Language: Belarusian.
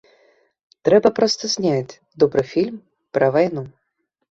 Трэба проста зняць добры фільм пра вайну!